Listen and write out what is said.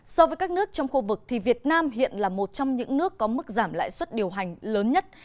so với các nước trong khu vực thì việt nam hiện là một trong những nước có mức giảm lãi suất điều hành lớn nhất